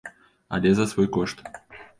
Але за свой кошт.